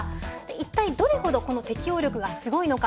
一体どれほどこの適応力がすごいのか。